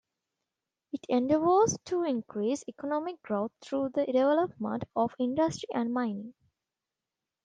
It endeavours to increase economic growth through the development of industry and mining.